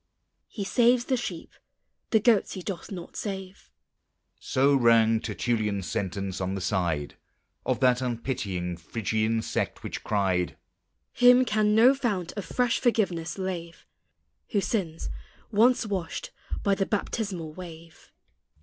He saves the sheep, the goats he doth not save. So rang Tertullian's sentence, on the side Of that unpitying Phrygian Sect which cried: "Him can no fount of fresh forgiveness lave, Who sins, once washed by the baptismal wave."